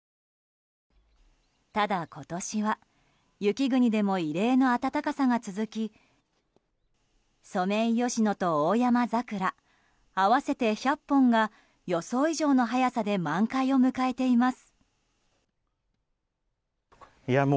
ただ、今年は雪国でも異例の暖かさが続きソメイヨシノとオオヤマザクラ合わせて１００本が予想以上の早さで満開を迎えています。